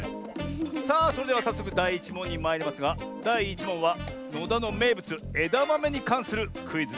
さあそれではさっそくだい１もんにまいりますがだい１もんはのだのめいぶつえだまめにかんするクイズです。